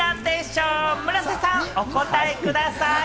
村瀬さん、お答えください。